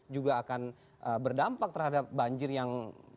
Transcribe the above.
juga akan berdampak terhadap banjir yang